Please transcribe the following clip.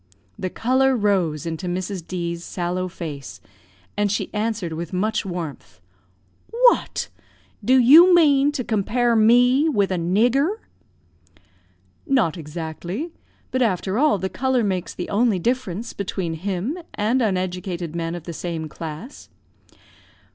The colour rose into Mrs. D 's sallow face, and she answered with much warmth "What! do you mean to compare me with a nigger!" "Not exactly. But, after all, the colour makes the only difference between him and uneducated men of the same class."